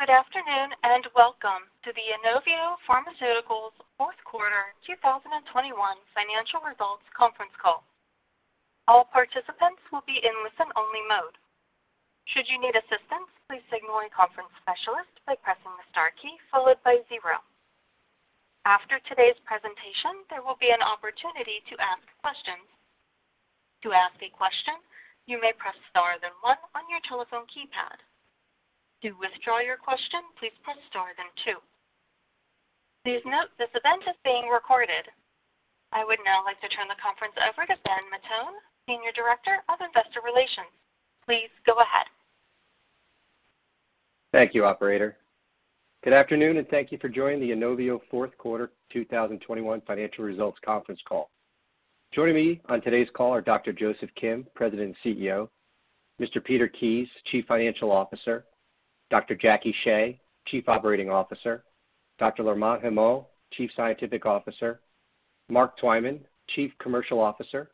Good afternoon, and welcome to the INOVIO Pharmaceuticals fourth quarter 2021 financial results conference call. All participants will be in listen-only mode. Should you need assistance, please signal a conference specialist by pressing the star key followed by zero. After today's presentation, there will be an opportunity to ask questions. To ask a question, you may press star then one on your telephone keypad. To withdraw your question, please press star then two. Please note this event is being recorded. I would now like to turn the conference over to Ben Matone, Senior Director of Investor Relations. Please go ahead. Thank you, operator. Good afternoon, and thank you for joining the INOVIO fourth quarter 2021 financial results conference call. Joining me on today's call are Dr. Joseph Kim, President and CEO, Mr. Peter Kies, Chief Financial Officer, Dr. Jackie Shea, Chief Operating Officer, Dr. Laurent Humeau, Chief Scientific Officer, Mark Twyman, Chief Commercial Officer,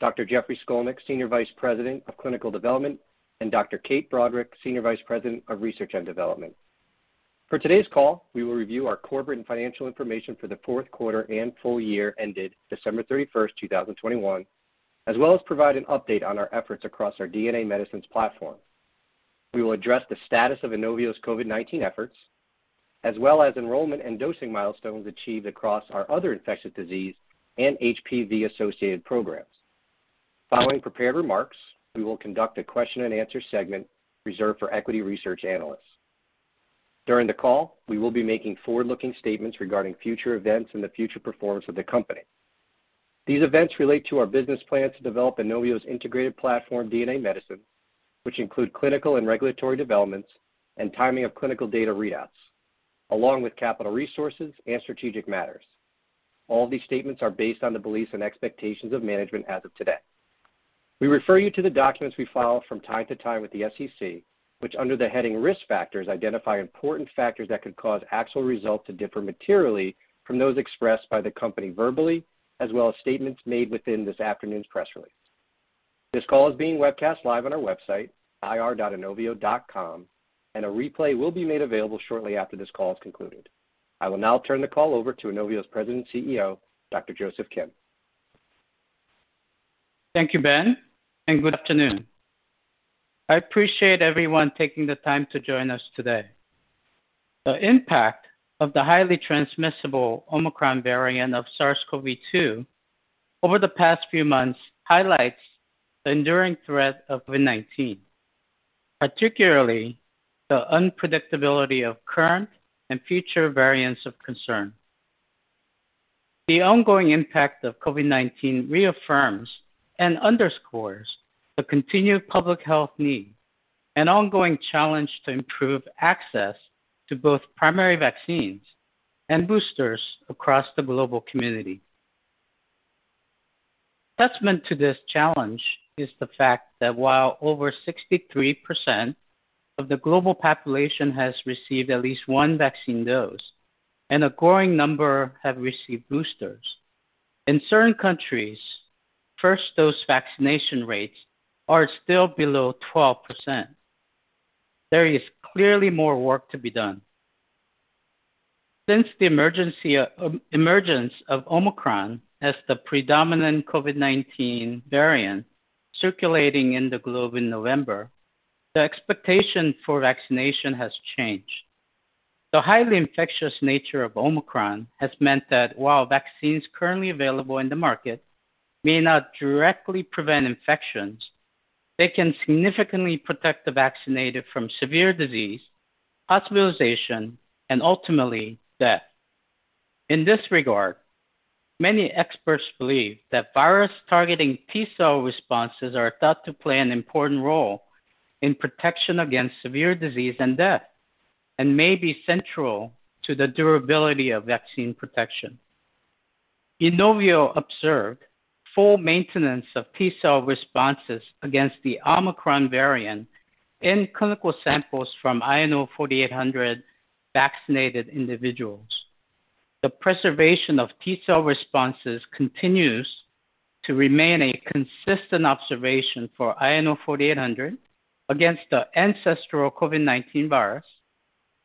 Dr. Jeffrey Skolnik, Senior Vice President of Clinical Development, and Dr. Kate Broderick, Senior Vice President of Research and Development. For today's call, we will review our corporate and financial information for the fourth quarter and full year ended December 31st, 2021, as well as provide an update on our efforts across our DNA medicines platform. We will address the status of INOVIO's COVID-19 efforts, as well as enrollment and dosing milestones achieved across our other infectious disease and HPV-associated programs. Following prepared remarks, we will conduct a question-and-answer segment reserved for equity research analysts. During the call, we will be making forward-looking statements regarding future events and the future performance of the company. These events relate to our business plan to develop INOVIO's integrated platform DNA medicine, which include clinical and regulatory developments and timing of clinical data readouts, along with capital resources and strategic matters. All these statements are based on the beliefs and expectations of management as of today. We refer you to the documents we file from time to time with the SEC, which under the heading Risk Factors, identify important factors that could cause actual results to differ materially from those expressed by the company verbally, as well as statements made within this afternoon's press release. This call is being webcast live on our website, ir.inovio.com, and a replay will be made available shortly after this call is concluded. I will now turn the call over to INOVIO's President and CEO, Dr. Joseph Kim. Thank you, Ben, and good afternoon. I appreciate everyone taking the time to join us today. The impact of the highly transmissible Omicron variant of SARS-CoV-2 over the past few months highlights the enduring threat of COVID-19, particularly the unpredictability of current and future variants of concern. The ongoing impact of COVID-19 reaffirms and underscores the continued public health need, an ongoing challenge to improve access to both primary vaccines and boosters across the global community. Testament to this challenge is the fact that while over 63% of the global population has received at least one vaccine dose and a growing number have received boosters, in certain countries, first dose vaccination rates are still below 12%. There is clearly more work to be done. Since the emergence of Omicron as the predominant COVID-19 variant circulating in the globe in November, the expectation for vaccination has changed. The highly infectious nature of Omicron has meant that while vaccines currently available in the market may not directly prevent infections, they can significantly protect the vaccinated from severe disease, hospitalization, and ultimately, death. In this regard, many experts believe that virus targeting T-cell responses are thought to play an important role in protection against severe disease and death and may be central to the durability of vaccine protection. INOVIO observed full maintenance of T-cell responses against the Omicron variant in clinical samples from INO-4800 vaccinated individuals. The preservation of T-cell responses continues to remain a consistent observation for INO-4800 against the ancestral COVID-19 virus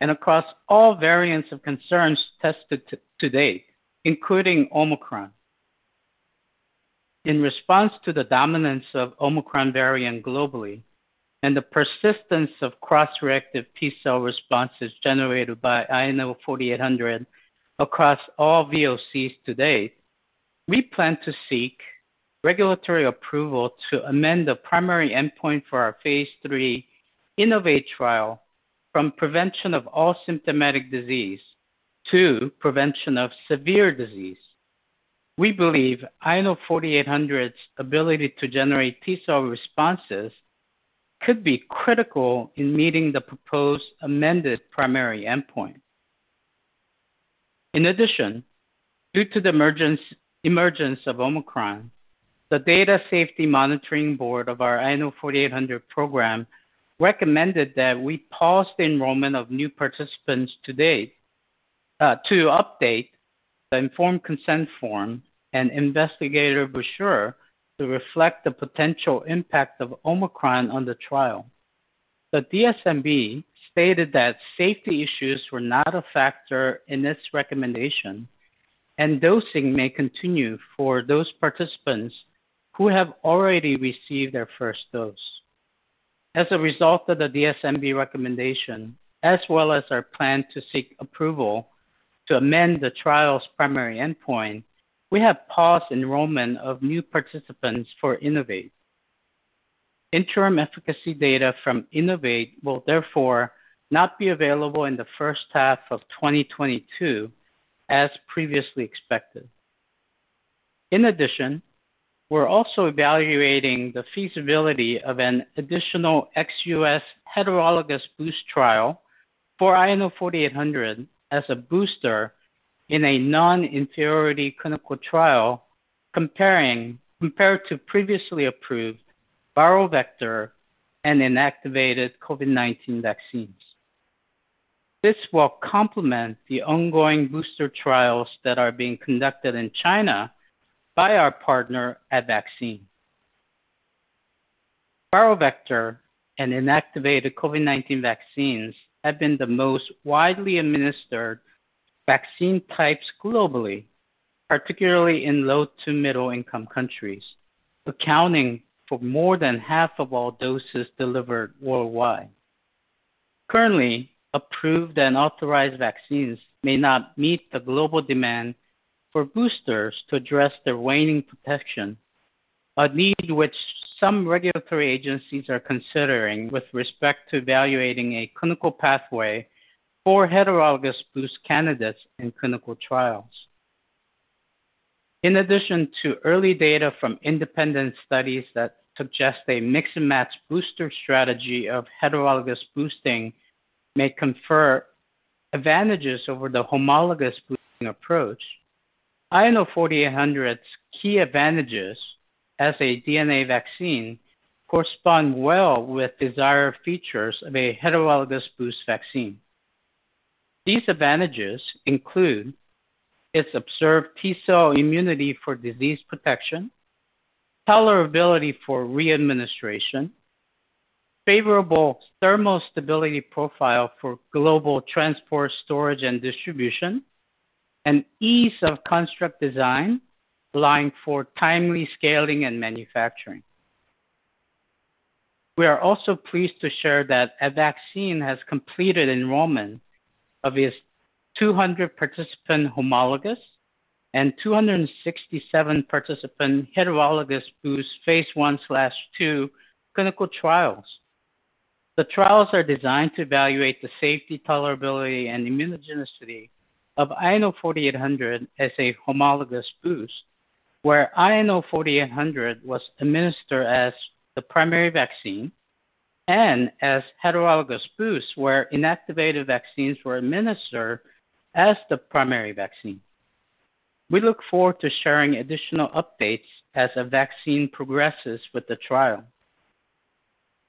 and across all variants of concerns tested to date, including Omicron. In response to the dominance of Omicron variant globally and the persistence of cross-reactive T-cell responses generated by INO-4800 across all VOCs to date, we plan to seek regulatory approval to amend the primary endpoint for our phase III INNOVATE trial from prevention of all symptomatic disease to prevention of severe disease. We believe INO-4800's ability to generate T-cell responses could be critical in meeting the proposed amended primary endpoint. In addition, due to the emergence of Omicron, the Data Safety Monitoring Board of our INO-4800 program recommended that we pause the enrollment of new participants to update the informed consent form and investigator brochure to reflect the potential impact of Omicron on the trial. The DSMB stated that safety issues were not a factor in its recommendation, and dosing may continue for those participants who have already received their first dose. As a result of the DSMB recommendation, as well as our plan to seek approval to amend the trial's primary endpoint, we have paused enrollment of new participants for INNOVATE. Interim efficacy data from INNOVATE will therefore not be available in the first half of 2022, as previously expected. In addition, we're also evaluating the feasibility of an additional ex-U.S. heterologous boost trial for INO-4800 as a booster in a non-inferiority clinical trial compared to previously approved viral vector and inactivated COVID-19 vaccines. This will complement the ongoing booster trials that are being conducted in China by our partner Advaccine. Viral vector and inactivated COVID-19 vaccines have been the most widely administered vaccine types globally, particularly in low to middle-income countries, accounting for more than half of all doses delivered worldwide. Currently, approved and authorized vaccines may not meet the global demand for boosters to address their waning protection, a need which some regulatory agencies are considering with respect to evaluating a clinical pathway for heterologous boost candidates in clinical trials. In addition to early data from independent studies that suggest a mix-and-match booster strategy of heterologous boosting may confer advantages over the homologous boosting approach, INO-4800's key advantages as a DNA vaccine correspond well with desired features of a heterologous boost vaccine. These advantages include its observed T-cell immunity for disease protection, tolerability for re-administration, favorable thermal stability profile for global transport, storage, and distribution, and ease of construct design, allowing for timely scaling and manufacturing. We are also pleased to share that a vaccine has completed enrollment of its 200-participant homologous and 267-participant heterologous boost phase I/II clinical trials. The trials are designed to evaluate the safety, tolerability, and immunogenicity of INO-4800 as a homologous boost, where INO-4800 was administered as the primary vaccine and as heterologous boost, where inactivated vaccines were administered as the primary vaccine. We look forward to sharing additional updates as the vaccine progresses with the trial.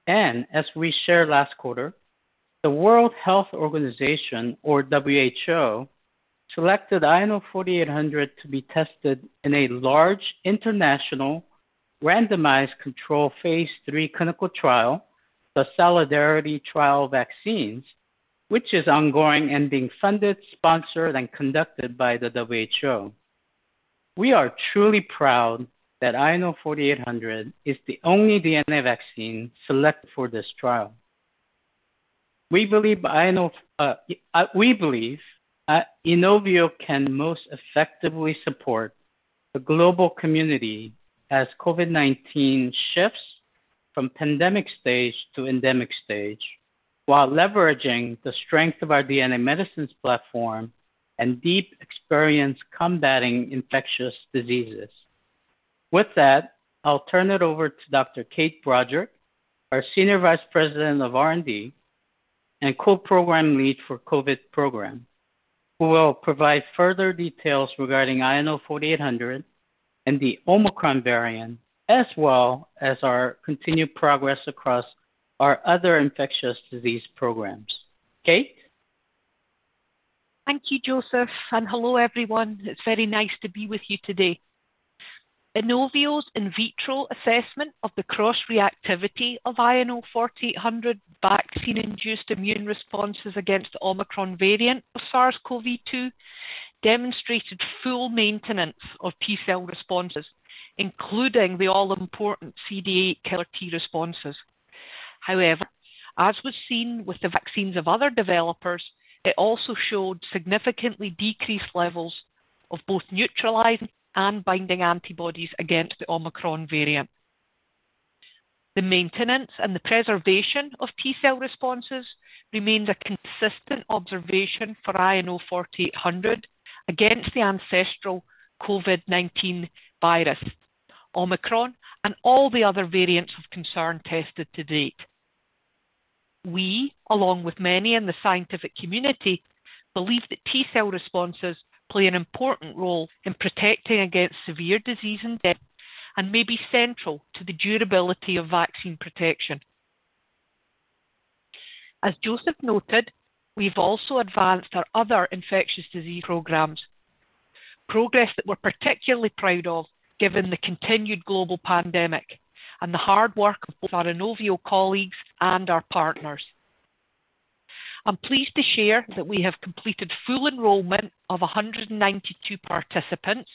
As we shared last quarter, the World Health Organization, or WHO, selected INO-4800 to be tested in a large international randomized control phase III clinical trial, the Solidarity Trial Vaccines, which is ongoing and being funded, sponsored, and conducted by the WHO. We are truly proud that INO-4800 is the only DNA vaccine selected for this trial. We believe INOVIO can most effectively support the global community as COVID-19 shifts from pandemic stage to endemic stage while leveraging the strength of our DNA medicines platform and deep experience combating infectious diseases. With that, I'll turn it over to Dr. Kate Broderick, our Senior Vice President of R&D and co-program lead for COVID program, who will provide further details regarding INO-4800 and the Omicron variant, as well as our continued progress across our other infectious disease programs. Kate? Thank you, Joseph, and hello, everyone. It's very nice to be with you today. INOVIO's in vitro assessment of the cross-reactivity of INO-4800 vaccine-induced immune responses against Omicron variant of SARS-CoV-2 demonstrated full maintenance of T-cell responses, including the all-important CD8+ killer T responses. However, as was seen with the vaccines of other developers, it also showed significantly decreased levels of both neutralizing and binding antibodies against the Omicron variant. The maintenance and the preservation of T-cell responses remains a consistent observation for INO-4800 against the ancestral COVID-19 virus, Omicron, and all the other variants of concern tested to date. We, along with many in the scientific community, believe that T-cell responses play an important role in protecting against severe disease and death and may be central to the durability of vaccine protection. As Joseph noted, we've also advanced our other infectious disease programs. Progress that we're particularly proud of given the continued global pandemic and the hard work of our INOVIO colleagues and our partners. I'm pleased to share that we have completed full enrollment of 192 participants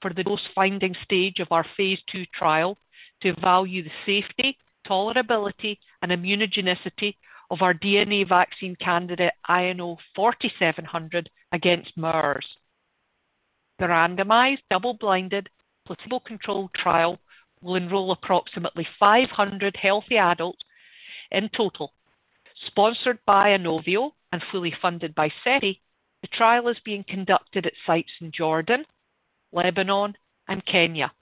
for the dose-finding stage of our phase II trial to evaluate the safety, tolerability, and immunogenicity of our DNA vaccine candidate, INO-4700, against MERS. The randomized, double-blinded, placebo-controlled trial will enroll approximately 500 healthy adults in total. Sponsored by INOVIO and fully funded by CEPI, the trial is being conducted at sites in Jordan, Lebanon, and Kenya.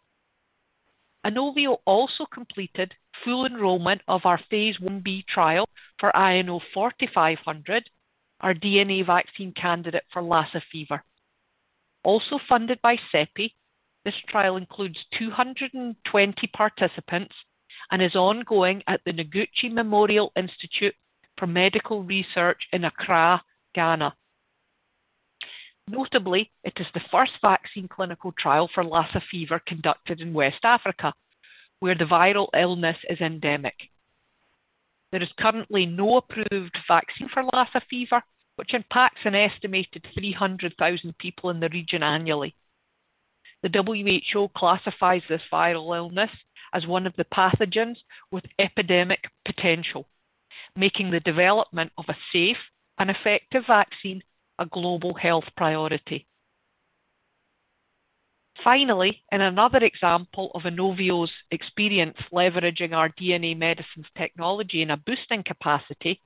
INOVIO also completed full enrollment of our phase I-B trial for INO-4500, our DNA vaccine candidate for Lassa fever. Also funded by CEPI, this trial includes 220 participants and is ongoing at the Noguchi Memorial Institute for Medical Research in Accra, Ghana. Notably, it is the first vaccine clinical trial for Lassa fever conducted in West Africa, where the viral illness is endemic. There is currently no approved vaccine for Lassa fever, which impacts an estimated 300,000 people in the region annually. The WHO classifies this viral illness as one of the pathogens with epidemic potential, making the development of a safe and effective vaccine a global health priority. Finally, in another example of INOVIOs experience leveraging our DNA medicines technology in a boosting capacity,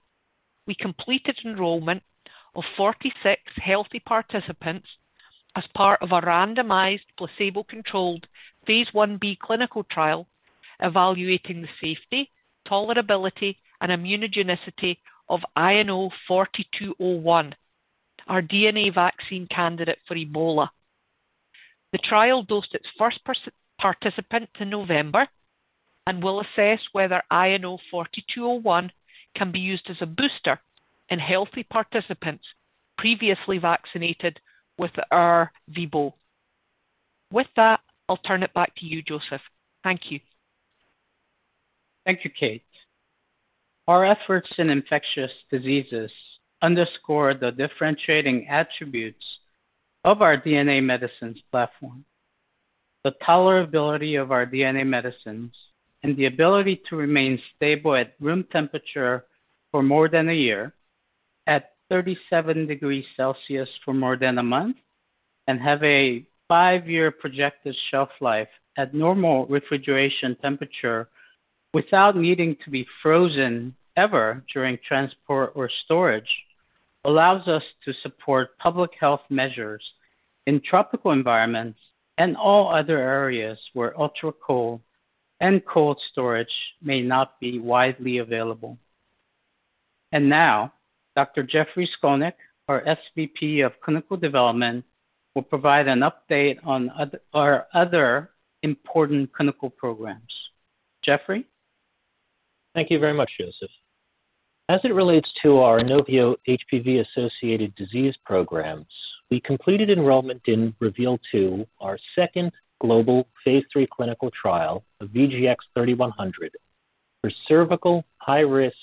we completed enrollment of 46 healthy participants as part of a randomized, placebo-controlled phase I-B clinical trial evaluating the safety, tolerability, and immunogenicity of INO-4201, our DNA vaccine candidate for Ebola. The trial dosed its first participant in November and will assess whether INO-4201 can be used as a booster in healthy participants previously vaccinated with the rVSV-ZEBOV. With that, I'll turn it back to you, Joseph. Thank you. Thank you, Kate. Our efforts in infectious diseases underscore the differentiating attributes of our DNA medicines platform. The tolerability of our DNA medicines, and the ability to remain stable at room temperature for more than a year, at 37 degrees Celsius for more than a month, and have a five-year projected shelf life at normal refrigeration temperature without needing to be frozen ever during transport or storage, allows us to support public health measures in tropical environments and all other areas where ultra-cold and cold storage may not be widely available. Now, Dr. Jeffrey Skolnik, our SVP of Clinical Development, will provide an update on our other important clinical programs. Jeffrey? Thank you very much, Joseph. As it relates to our INOVIO HPV-Associated Disease Programs, we completed enrollment in REVEAL 2, our second global phase III clinical trial of VGX-3100 for cervical high-risk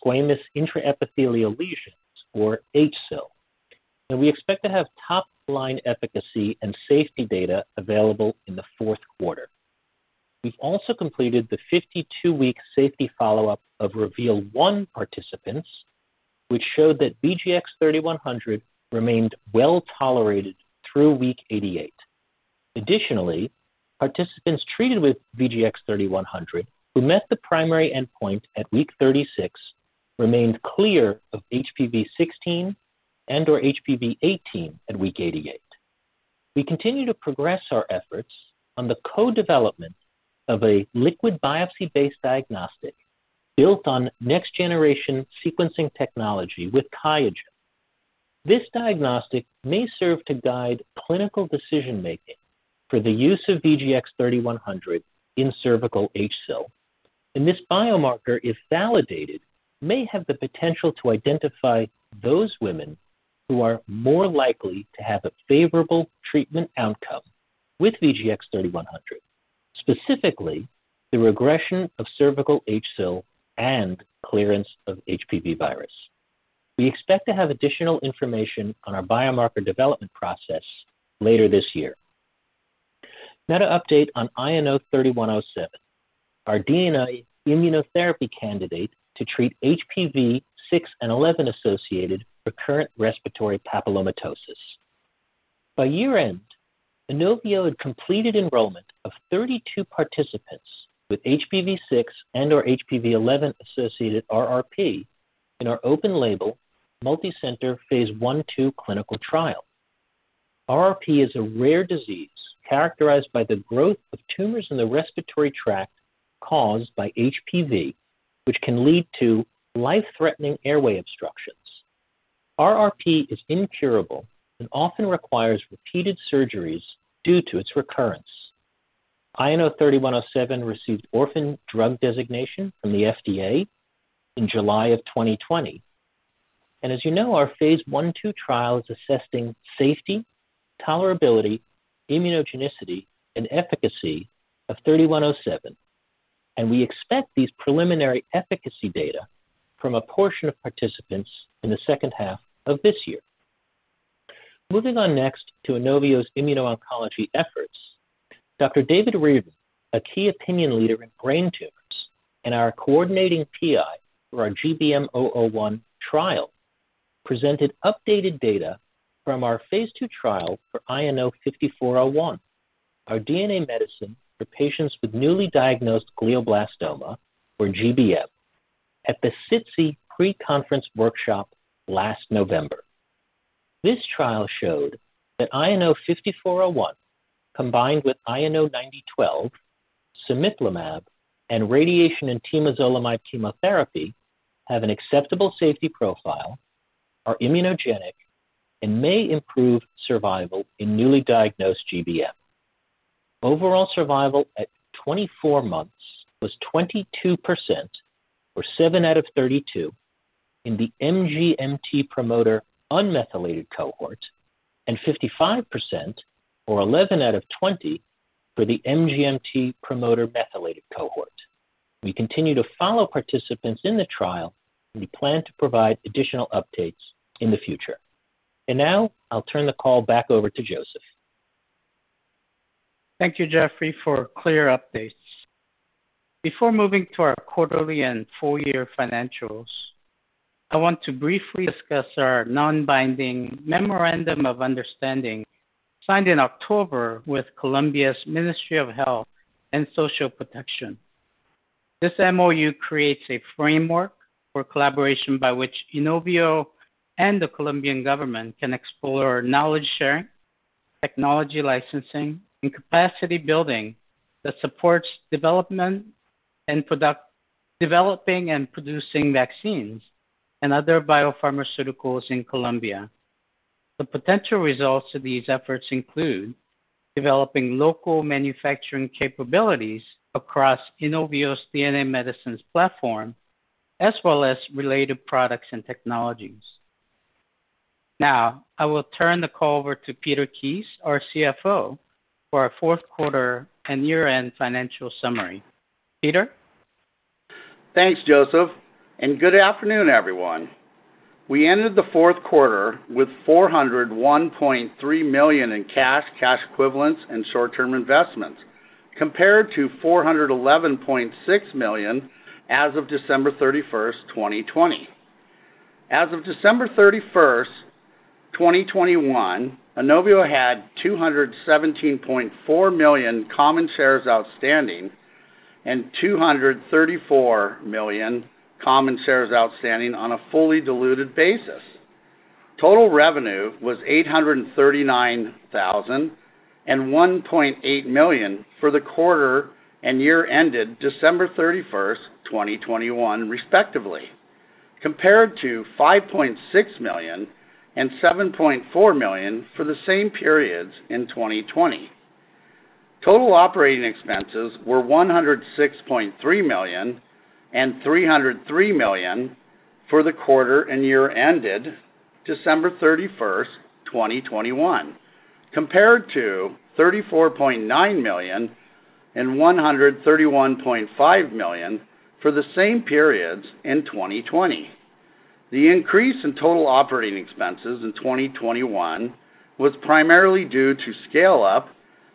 squamous intraepithelial lesions, or HSIL. We expect to have top-line efficacy and safety data available in the fourth quarter. We've also completed the 52-week safety follow-up of REVEAL 1 participants, which showed that VGX-3100 remained well-tolerated through week 88. Additionally, participants treated with VGX-3100 who met the primary endpoint at week 36 remained clear of HPV-16 and/or HPV-18 at week 88. We continue to progress our efforts on the co-development of a liquid biopsy-based diagnostic built on next-generation sequencing technology with QIAGEN. This diagnostic may serve to guide clinical decision-making for the use of VGX-3100 in cervical HSIL. This biomarker, if validated, may have the potential to identify those women who are more likely to have a favorable treatment outcome with VGX-3100, specifically the regression of cervical HSIL and clearance of HPV virus. We expect to have additional information on our biomarker development process later this year. Now to update on INO-3107, our DNA immunotherapy candidate to treat HPV-6 and 11 associated recurrent respiratory papillomatosis. By year-end, INOVIO had completed enrollment of 32 participants with HPV-6 and/or HPV 11 associated RRP in our open-label multicenter phase I/II clinical trial. RRP is a rare disease characterized by the growth of tumors in the respiratory tract caused by HPV, which can lead to life-threatening airway obstruction. RRP is incurable and often requires repeated surgeries due to its recurrence. INO-3107 received orphan drug designation from the FDA in July of 2020. As you know, our phase I/II trial is assessing safety, tolerability, immunogenicity, and efficacy of INO-3107, and we expect these preliminary efficacy data from a portion of participants in the second half of this year. Moving on next to INOVIO's immuno-oncology efforts, Dr. David Reardon, a key opinion leader in brain tumors and our coordinating PI for our GBM-001 trial, presented updated data from our phase II trial for INO-5401, our DNA medicine for patients with newly diagnosed glioblastoma, or GBM, at the SITC Pre-Conference Workshop last November. This trial showed that INO-5401, combined with INO-9012, cemiplimab, and radiation and temozolomide chemotherapy, have an acceptable safety profile, are immunogenic, and may improve survival in newly diagnosed GBM. Overall survival at 24 months was 22%, or seven out of 32 in the MGMT promoter unmethylated cohort, and 55% or 11 out of 20 for the MGMT promoter methylated cohort. We continue to follow participants in the trial, and we plan to provide additional updates in the future. Now I'll turn the call back over to Joseph. Thank you, Jeffrey, for clear updates. Before moving to our quarterly and full year financials, I want to briefly discuss our non-binding memorandum of understanding signed in October with Colombia's Ministry of Health and Social Protection. This MoU creates a framework for collaboration by which INOVIO and the Colombian government can explore knowledge sharing, technology licensing, and capacity building that supports developing and producing vaccines and other biopharmaceuticals in Colombia. The potential results of these efforts include developing local manufacturing capabilities across INOVIO's DNA medicines platform, as well as related products and technologies. Now, I will turn the call over to Peter Kies, our CFO, for our fourth quarter and year-end financial summary. Peter? Thanks, Joseph, and good afternoon, everyone. We ended the fourth quarter with $401.3 million in cash equivalents, and short-term investments, compared to $411.6 million as of December 31st, 2020. As of December 31st, 2021, INOVIO had 217.4 million common shares outstanding and 234 million common shares outstanding on a fully diluted basis. Total revenue was $839 thousand and $1.8 million for the quarter and year ended December 31st, 2021 respectively, compared to $5.6 million and $7.4 million for the same periods in 2020. Total operating expenses were $106.3 million and $303 million for the quarter and year ended December 31st, 2021, compared to $34.9 million and $131.5 million for the same periods in 2020. The increase in total operating expenses in 2021 was primarily due to scaleup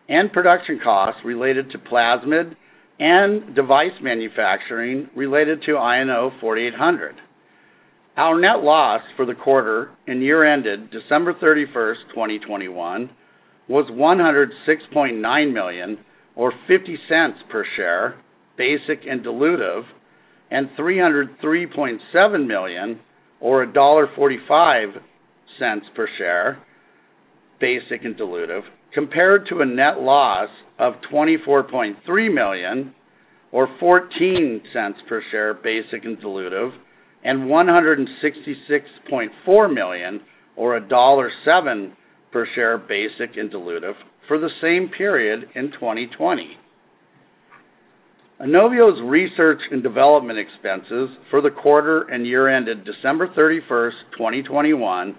and production costs related to plasmid and device manufacturing related to INO-4800. Our net loss for the quarter and year ended December 31st, 2021 was $106.9 million or $0.50 per share, basic and dilutive, and $303.7 million or $1.45 per share, basic and dilutive, compared to a net loss of $24.3 million or $0.14 per share, basic and dilutive, and $166.4 million or $1.07 per share, basic and dilutive, for the same period in 2020. INOVIO's research and development expenses for the quarter and year ended December 31st, 2021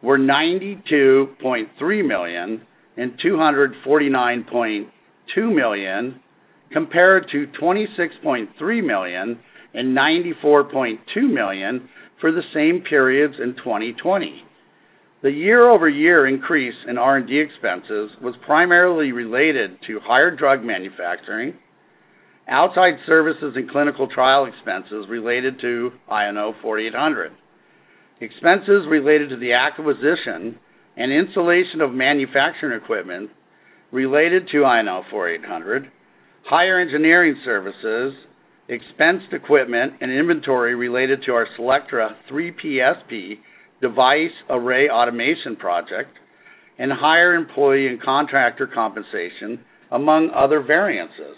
were $92.3 million and $249.2 million, compared to $26.3 million and $94.2 million for the same periods in 2020. The year-over-year increase in R&D expenses was primarily related to higher drug manufacturing, outside services and clinical trial expenses related to INO-4800, expenses related to the acquisition and installation of manufacturing equipment related to INO-4800, higher engineering services, expensed equipment and inventory related to our CELLECTRA 3PSP device array automation project, and higher employee and contractor compensation, among other variances.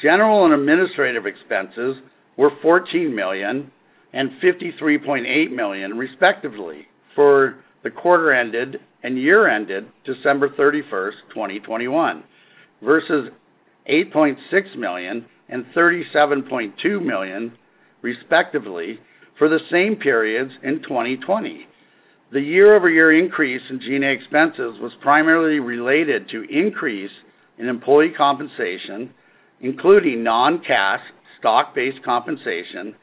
General and administrative expenses were $14 million and $53.8 million respectively for the quarter ended and year ended December 31st, 2021 versus $8.6 million and $37.2 million respectively for the same periods in 2020. The year-over-year increase in G&A expenses was primarily related to increase in employee compensation, including non-cash stock-based compensation,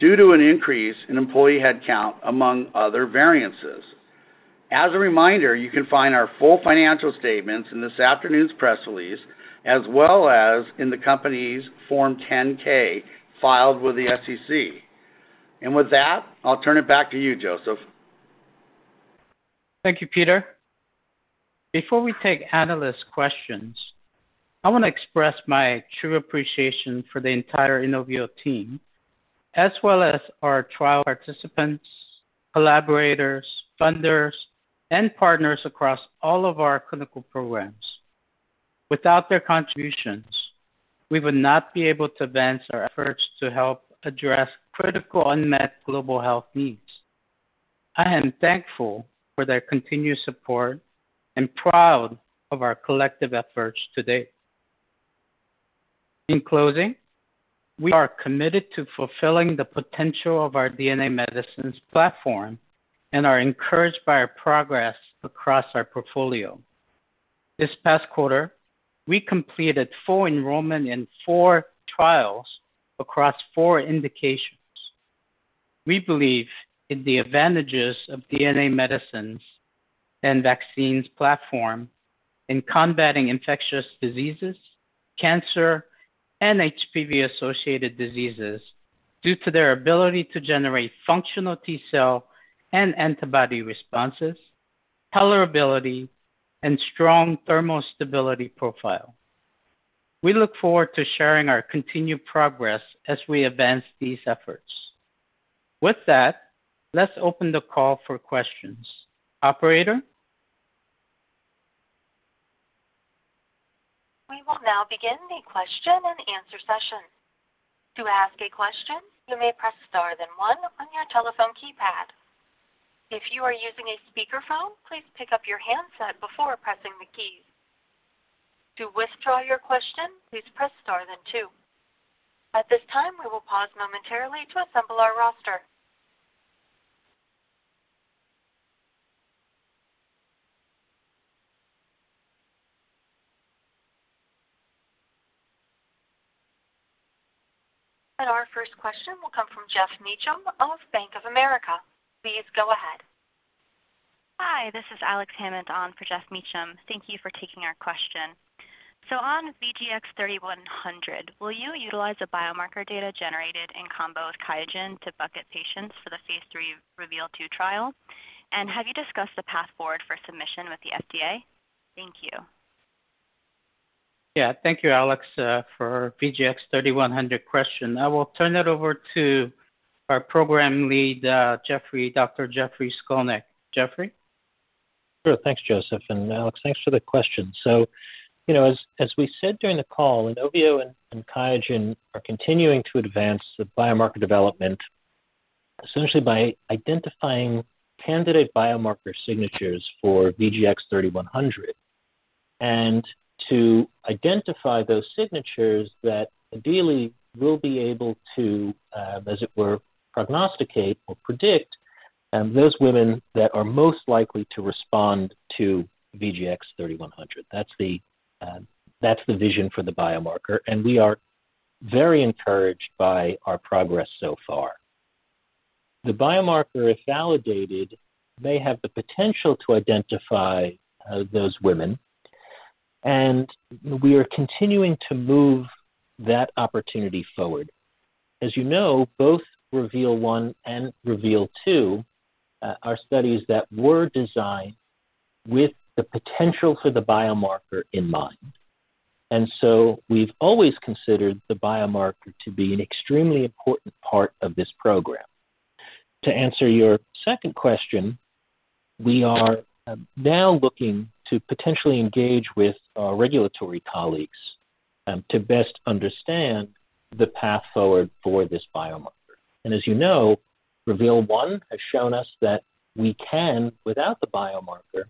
due to an increase in employee headcount, among other variances. As a reminder, you can find our full financial statements in this afternoon's press release as well as in the company's Form 10-K filed with the SEC. With that, I'll turn it back to you, Joseph. Thank you, Peter. Before we take analyst questions, I want to express my true appreciation for the entire INOVIO team as well as our trial participants, collaborators, funders, and partners across all of our clinical programs. Without their contributions, we would not be able to advance our efforts to help address critical unmet global health needs. I am thankful for their continued support and proud of our collective efforts to date. In closing, we are committed to fulfilling the potential of our DNA medicines platform and are encouraged by our progress across our portfolio. This past quarter, we completed full enrollment in four trials across four indications. We believe in the advantages of DNA medicines and vaccines platform in combating infectious diseases, cancer, and HPV-associated diseases due to their ability to generate functional T-cell and antibody responses, tolerability, and strong thermal stability profile. We look forward to sharing our continued progress as we advance these efforts. With that, let's open the call for questions. Operator? We will now begin the question-and-answer session. To ask a question, you may press star then one on your telephone keypad. If you are using a speakerphone, please pick up your handset before pressing the keys. To withdraw your question, please press star then. At this time, we will pause momentarily to assemble our roster. Our first question will come from Geoff Meacham of Bank of America. Please go ahead. Hi, this is Alex on for Geoff Meacham. Thank you for taking our question. On VGX-3100, will you utilize the biomarker data generated in combo with QIAGEN to bucket patients for the phase III REVEAL 2 trial? And have you discussed the path forward for submission with the FDA? Thank you. Yeah. Thank you, Alex, for VGX-3100 question. I will turn it over to our program lead, Dr. Jeffrey Skolnik. Jeffrey? Sure. Thanks, Joseph and Alex. Thanks for the question. You know, as we said during the call, INOVIO and QIAGEN are continuing to advance the biomarker development, essentially by identifying candidate biomarker signatures for VGX-3100. To identify those signatures that ideally will be able to, as it were, prognosticate or predict those women that are most likely to respond to VGX-3100. That's the vision for the biomarker, and we are very encouraged by our progress so far. The biomarker, if validated, may have the potential to identify those women, and we are continuing to move that opportunity forward. As you know, both REVEAL 1 and REVEAL 2 are studies that were designed with the potential for the biomarker in mind. We've always considered the biomarker to be an extremely important part of this program. To answer your second question, we are now looking to potentially engage with our regulatory colleagues to best understand the path forward for this biomarker. As you know, REVEAL 1 has shown us that we can, without the biomarker,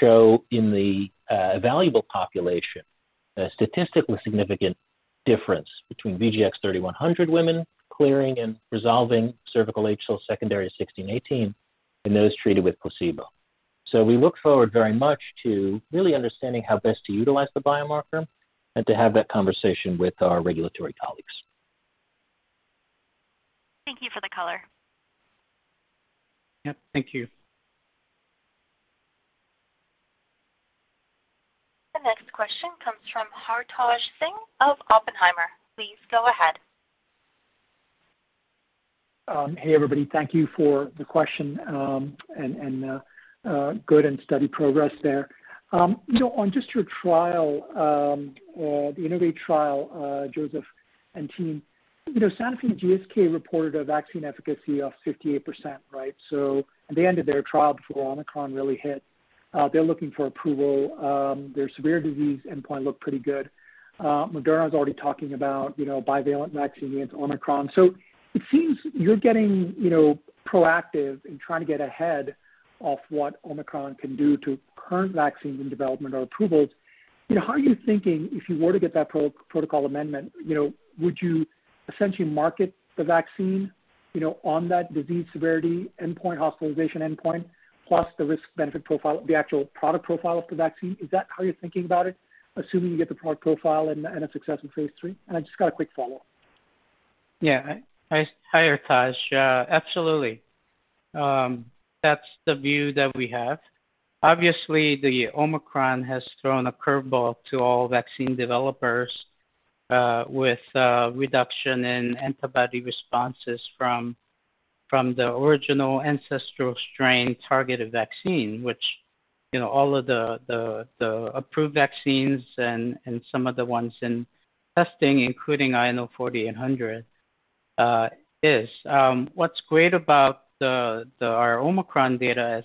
show in the evaluable population a statistically significant difference between VGX-3100 women clearing and resolving cervical HSIL secondary to 16, 18 in those treated with placebo. We look forward very much to really understanding how best to utilize the biomarker and to have that conversation with our regulatory colleagues. Thank you for the color. Yep, thank you. The next question comes from Hartaj Singh of Oppenheimer. Please go ahead. Hey, everybody. Thank you for the question, and good and steady progress there. You know, on just your trial, the INNOVATE trial, Joseph and team, you know, Sanofi and GSK reported a vaccine efficacy of 58%, right? They ended their trial before Omicron really hit. They're looking for approval. Their severe disease endpoint looked pretty good. Moderna's already talking about, you know, bivalent vaccine against Omicron. It seems you're getting, you know, proactive in trying to get ahead of what Omicron can do to current vaccines in development or approvals. You know, how are you thinking if you were to get that protocol amendment, you know, would you essentially market the vaccine, you know, on that disease severity endpoint, hospitalization endpoint, plus the risk-benefit profile, the actual product profile of the vaccine? Is that how you're thinking about it, assuming you get the product profile and a successful phase III? I just got a quick follow-up. Yeah. Hi, Hartaj. Absolutely. That's the view that we have. Obviously, the Omicron has thrown a curveball to all vaccine developers with reduction in antibody responses from the original ancestral strain targeted vaccine, which you know all of the approved vaccines and some of the ones in testing, including INO-4800, is. What's great about our Omicron data, as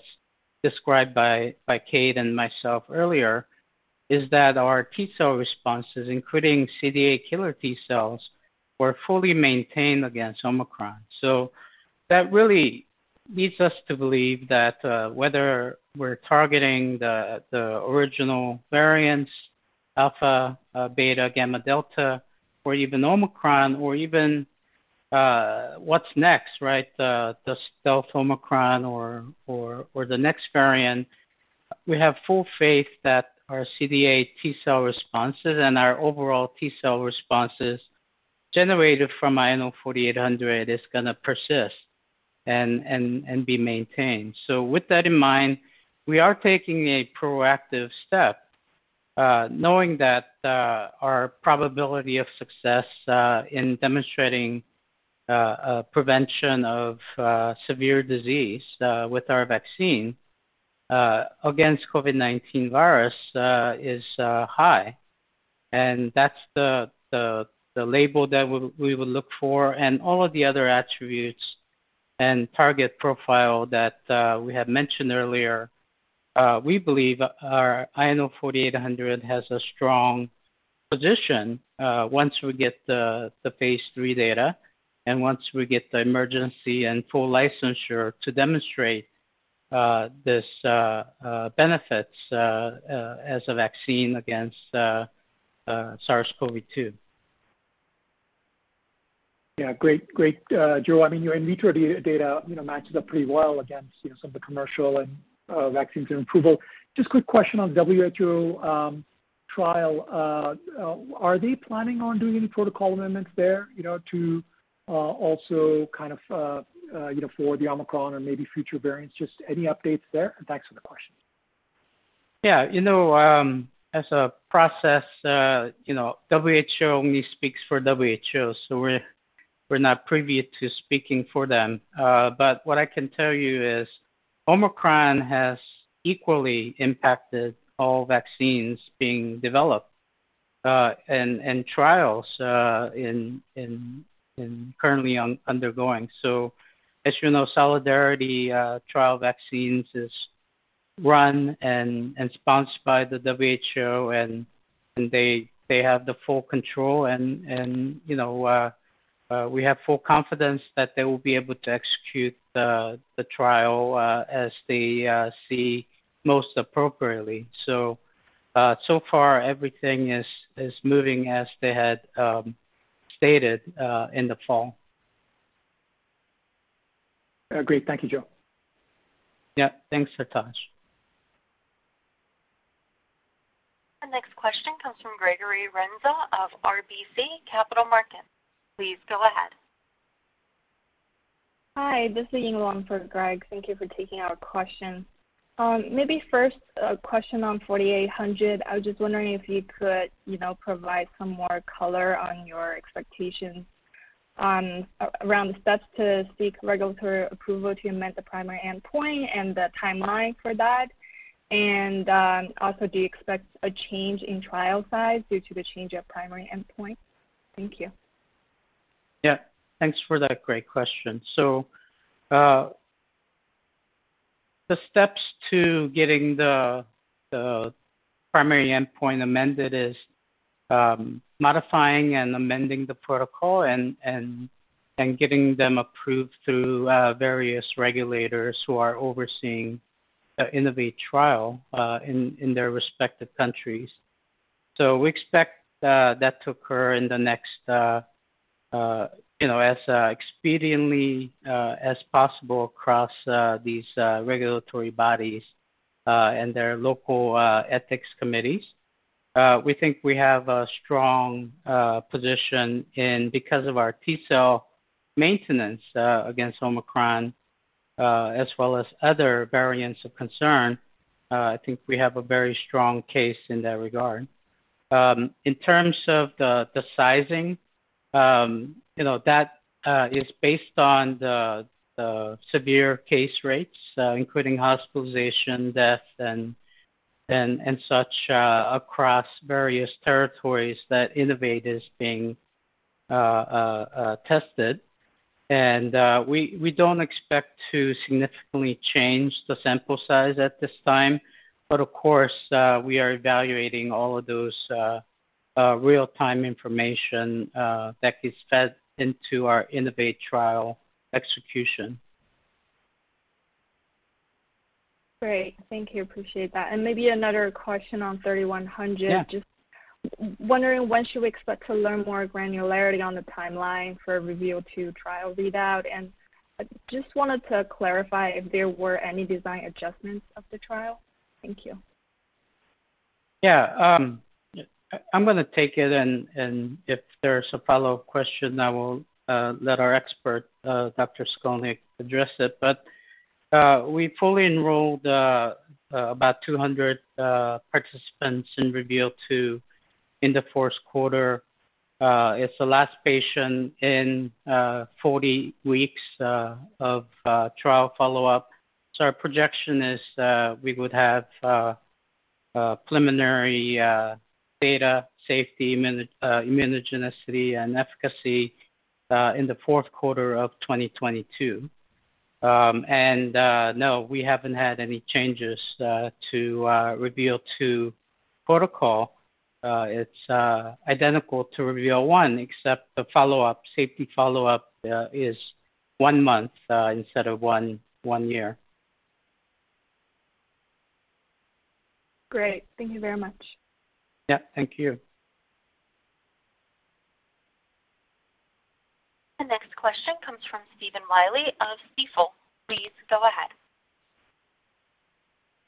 described by Kate and myself earlier, is that our T-cell responses, including CD8+ killer T-cells, were fully maintained against Omicron. That really leads us to believe that whether we're targeting the original variants, Alpha, Beta, Gamma, Delta, or even Omicron or even what's next, right? The stealth Omicron or the next variant. We have full faith that our CD8 T-cell responses and our overall T-cell responses generated from INO-4800 is gonna persist and be maintained. With that in mind, we are taking a proactive step, knowing that our probability of success in demonstrating prevention of severe disease with our vaccine against COVID-19 virus is high. That's the label that we would look for and all of the other attributes and target profile that we had mentioned earlier. We believe our INO-4800 has a strong position once we get the phase III data and once we get the emergency and full licensure to demonstrate this benefits as a vaccine against SARS-CoV-2. Yeah. Great. Great, Joe. I mean, your in vitro data, you know, matches up pretty well against, you know, some of the commercial and approved vaccines. Just quick question on WHO trial. Are they planning on doing any protocol amendments there, you know, to also kind of you know for the Omicron or maybe future variants? Just any updates there? Thanks for the question. Yeah. You know, as a process, you know, WHO only speaks for WHO, so we're not privy to speaking for them. But what I can tell you is Omicron has equally impacted all vaccines being developed, and trials currently undergoing. As you know, Solidarity Trial Vaccines is run and sponsored by the WHO, and they have the full control and, you know, we have full confidence that they will be able to execute the trial as they see most appropriately. So far everything is moving as they had stated in the fall. Great. Thank you, Joe. Yeah. Thanks, Hartaj. The next question comes from Gregory Renza of RBC Capital Markets. Please go ahead. Hi, this is Ying Wang for Greg. Thank you for taking our question. Maybe first a question on INO-4800. I was just wondering if you could, you know, provide some more color on your expectations around the steps to seek regulatory approval to amend the primary endpoint and the timeline for that. Also, do you expect a change in trial size due to the change of primary endpoint? Thank you. Yeah. Thanks for that great question. The steps to getting the primary endpoint amended is modifying and amending the protocol and getting them approved through various regulators who are overseeing the INNOVATE trial in their respective countries. We expect that to occur in the next, you know, as expediently as possible across these regulatory bodies and their local ethics committees. We think we have a strong position because of our T-cell maintenance against Omicron, as well as other variants of concern. I think we have a very strong case in that regard. In terms of the sizing, you know, that is based on the severe case rates, including hospitalization, death and such, across various territories that INNOVATE is being tested. We don't expect to significantly change the sample size at this time. Of course, we are evaluating all of those real-time information that is fed into our INNOVATE trial execution. Great. Thank you. Appreciate that. Maybe another question on VGX-3100. Yeah. Just wondering, when should we expect to learn more granularity on the timeline for REVEAL 2 trial readout? Just wanted to clarify if there were any design adjustments of the trial. Thank you. Yeah. I'm gonna take it, and if there's a follow-up question, I will let our expert, Dr. Skolnik address it. We fully enrolled about 200 participants in REVEAL 2 in the fourth quarter. It's the last patient in 40 weeks of trial follow-up. Our projection is we would have preliminary data, safety, immunogenicity, and efficacy in the fourth quarter of 2022. We haven't had any changes to REVEAL 2 protocol. It's identical to REVEAL 1, except the safety follow-up is one month instead of one year. Great. Thank you very much. Yeah, thank you. The next question comes from Stephen Willey of Stifel. Please go ahead.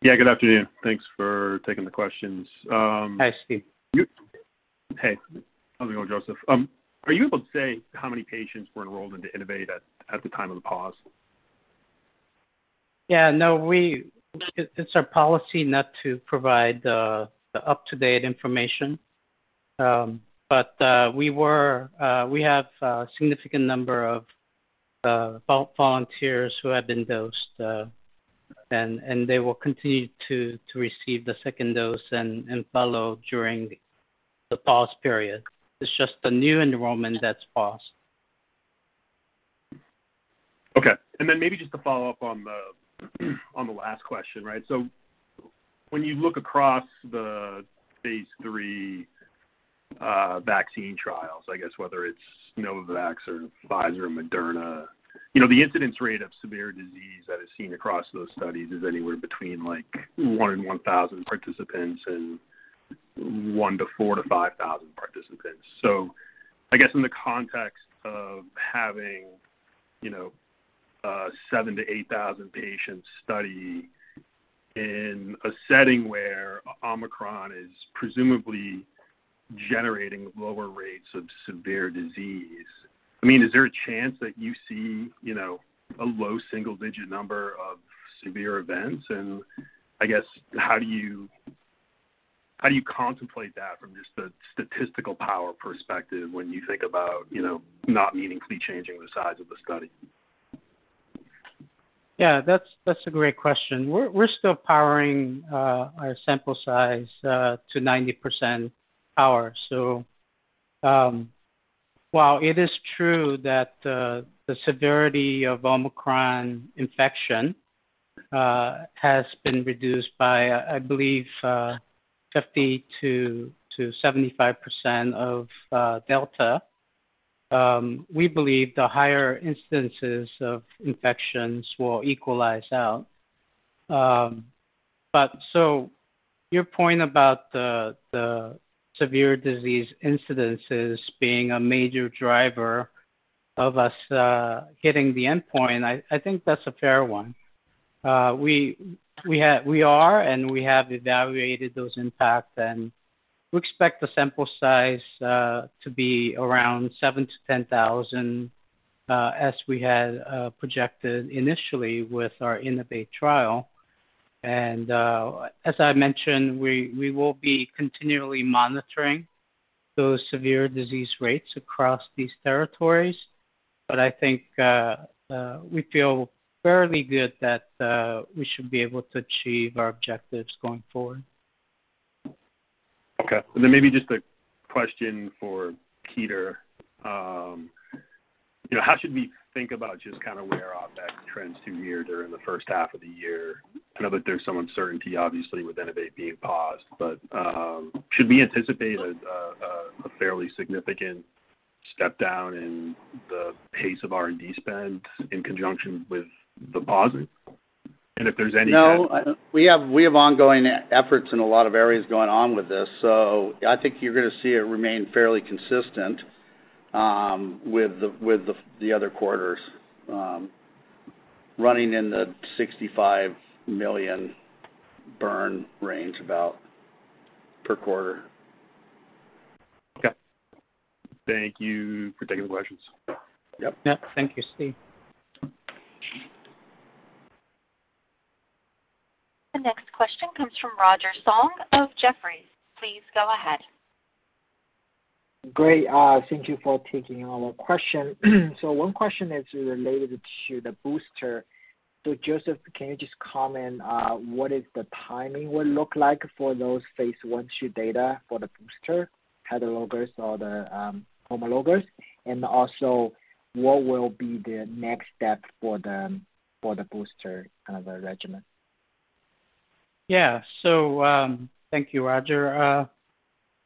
Yeah, good afternoon. Thanks for taking the questions. Hi, Steve. Hey. How's it going, Joseph? Are you able to say how many patients were enrolled into INOVATE at the time of the pause? Yeah, no. It's our policy not to provide the up-to-date information. But we have a significant number of volunteers who have been dosed, and they will continue to receive the second dose and follow during the pause period. It's just the new enrollment that's paused. Okay. Maybe just to follow up on the last question, right? When you look across the phase III vaccine trials, I guess whether it's Novavax or Pfizer, Moderna, you know, the incidence rate of severe disease that is seen across those studies is anywhere between, like, one in 1,000 participants and one to 4,000-5,000 participants. I guess in the context of having, you know, 7,000-8,000-patient study in a setting where Omicron is presumably generating lower rates of severe disease, I mean, is there a chance that you see, you know, a low single-digit number of severe events? How do you contemplate that from just the statistical power perspective when you think about, you know, not meaningfully changing the size of the study? Yeah, that's a great question. We're still powering our sample size to 90% power. While it is true that the severity of Omicron infection has been reduced by, I believe, 50%-75% of Delta, we believe the higher instances of infections will equalize out. Your point about the severe disease incidences being a major driver of us hitting the endpoint, I think that's a fair one. We have evaluated those impacts, and we expect the sample size to be around 7,000-10,000, as we had projected initially with our INNOVATE trial. As I mentioned, we will be continually monitoring those severe disease rates across these territories. I think we feel fairly good that we should be able to achieve our objectives going forward. Okay. Then maybe just a question for Peter. You know, how should we think about just kind of where OpEx trends through the year during the first half of the year? I know that there's some uncertainty obviously with INNOVATE being paused, but should we anticipate a fairly significant step down in the pace of R&D spend in conjunction with the pause? And if there's any. No. We have ongoing efforts in a lot of areas going on with this, so I think you're gonna see it remain fairly consistent with the other quarters, running in the $65 million burn range about per quarter. Okay. Thank you for taking the questions. Yep. Yeah. Thank you, Steve. The next question comes from Roger Song of Jefferies. Please go ahead. Great. Thank you for taking our question. One question is related to the booster. Joseph, can you just comment, what is the timing will look like for those phase I/II data for the booster, heterologous or the homologous? And also, what will be the next step for the booster, kind of, regimen? Yeah. Thank you, Roger.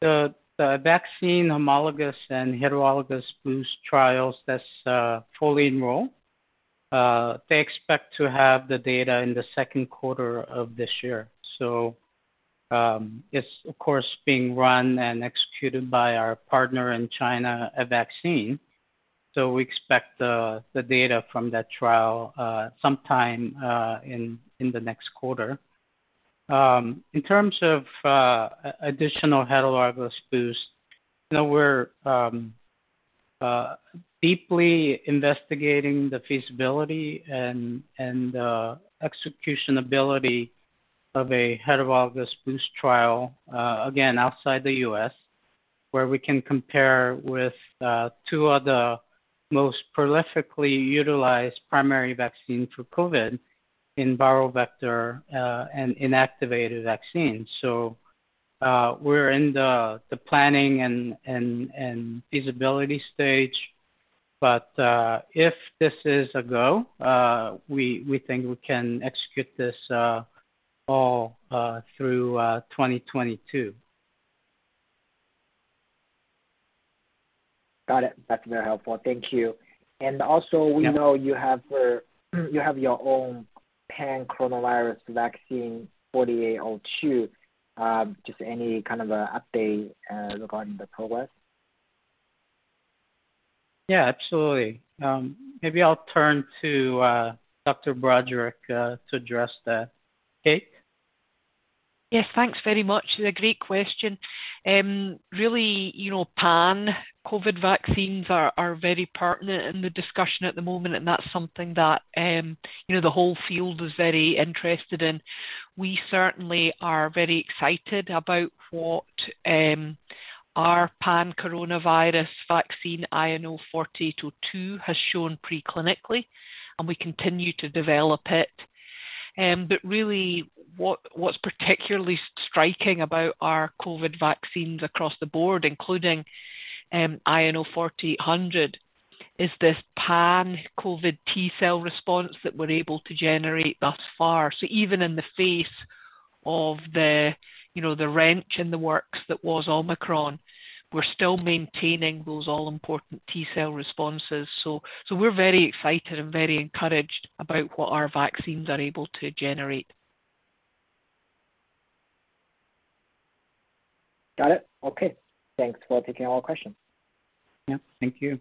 The vaccine homologous and heterologous boost trials that's fully enrolled, they expect to have the data in the second quarter of this year. It's of course being run and executed by our partner in China, Advaccine. We expect the data from that trial sometime in the next quarter. In terms of additional heterologous boost, you know, we're deeply investigating the feasibility and execution ability of a heterologous boost trial again outside the U.S., where we can compare with two of the most prolifically utilized primary vaccine for COVID in viral vector and inactivated vaccine. We're in the planning and feasibility stage. If this is a go, we think we can execute this all through 2022. Got it. That's very helpful. Thank you. Yeah. We know you have your own pan-coronavirus vaccine, INO-4802. Just any kind of a update regarding the progress? Yeah, absolutely. Maybe I'll turn to Dr. Broderick to address that. Kate? Yes. Thanks very much. A great question. Really, you know, pan-COVID vaccines are very pertinent in the discussion at the moment, and that's something that, you know, the whole field is very interested in. We certainly are very excited about what, our pan-coronavirus vaccine, INO-4802, has shown pre-clinically, and we continue to develop it. Really what's particularly striking about our COVID vaccines across the board, including, INO-4800, is this pan-COVID T-cell response that we're able to generate thus far. Even in the face of the, you know, the wrench in the works that was Omicron, we're still maintaining those all-important T-cell responses. We're very excited and very encouraged about what our vaccines are able to generate. Got it. Okay. Thanks for taking our questions. Yeah, thank you.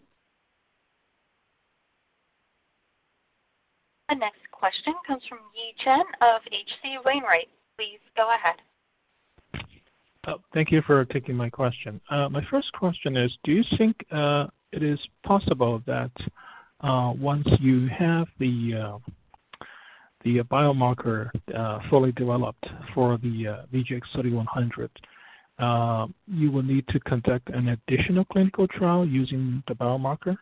The next question comes from Yi Chen of H.C. Wainwright. Please go ahead. Oh, thank you for taking my question. My first question is, do you think it is possible that once you have the biomarker fully developed for the VGX-3100, you will need to conduct an additional clinical trial using the biomarker?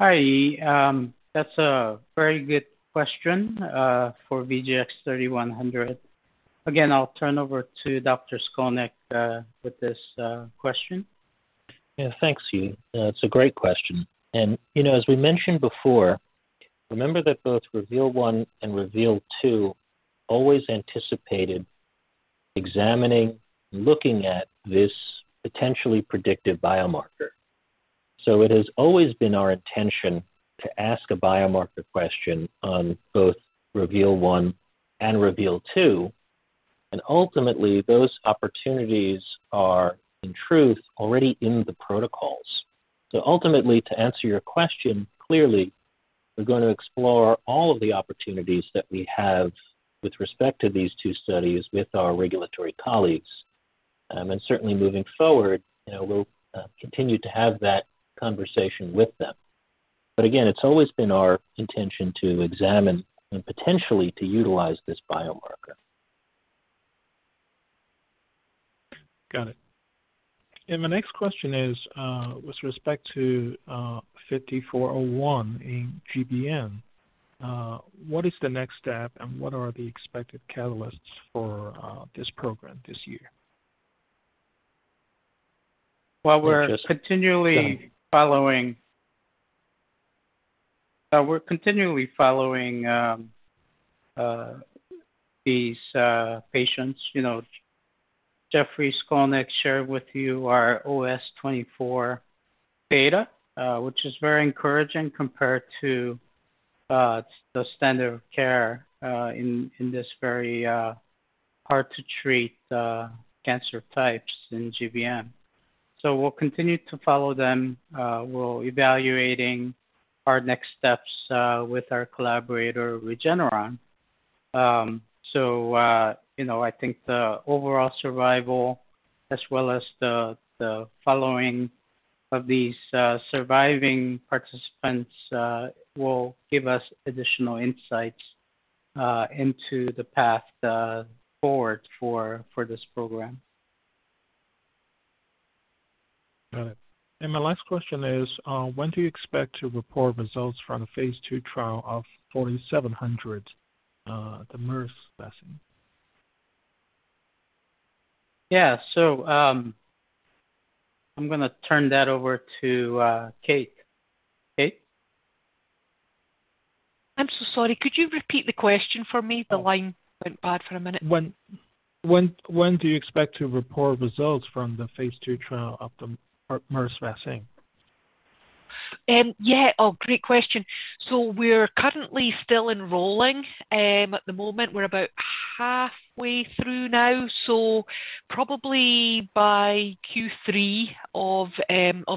Hi, Yi. That's a very good question for VGX-3100. Again, I'll turn over to Dr. Skolnik with this question. Yeah. Thanks, Yi. It's a great question. You know, as we mentioned before, remember that both REVEAL 1 and REVEAL 2 always anticipated examining, looking at this potentially predictive biomarker. It has always been our intention to ask a biomarker question on both REVEAL 1 and REVEAL 2, and ultimately, those opportunities are, in truth, already in the protocols. Ultimately, to answer your question clearly, we're gonna explore all of the opportunities that we have with respect to these two studies with our regulatory colleagues. Certainly moving forward, you know, we'll continue to have that conversation with them. Again, it's always been our intention to examine and potentially to utilize this biomarker. Got it. My next question is, with respect to INO-5401 in GBM, what is the next step and what are the expected catalysts for this program this year? Well, we're continually following. Thanks. We're continually following these patients. You know, Jeffrey Skolnik shared with you our OS24 data, which is very encouraging compared to the standard of care in this very hard to treat cancer types in GBM. We'll continue to follow them. We're evaluating our next steps with our collaborator, Regeneron. You know, I think the overall survival as well as the following of these surviving participants will give us additional insights into the path forward for this program. Got it. My last question is, when do you expect to report results from the phase II trial of INO-4700, the MERS vaccine? Yeah. I'm gonna turn that over to Kate. Kate? I'm so sorry. Could you repeat the question for me? The line went bad for a minute. When do you expect to report results from the phase II trial of the MERS vaccine? Yeah. Oh, great question. We're currently still enrolling. At the moment, we're about halfway through now, so probably by Q3 of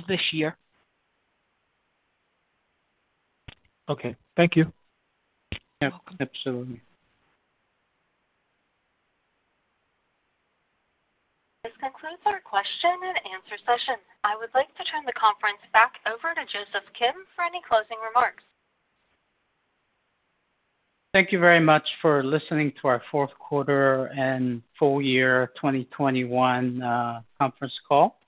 this year. Okay. Thank you. You're welcome. Yeah, absolutely. This concludes our question and answer session. I would like to turn the conference back over to Joseph Kim for any closing remarks. Thank you very much for listening to our fourth quarter and full year 2021 conference call.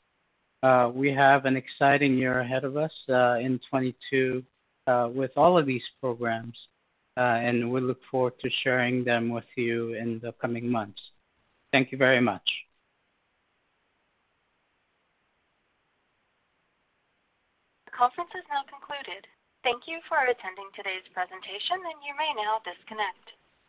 We have an exciting year ahead of us in 2022 with all of these programs, and we look forward to sharing them with you in the coming months. Thank you very much. The conference is now concluded. Thank you for attending today's presentation, and you may now disconnect.